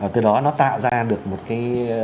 từ đó nó tạo ra được một cái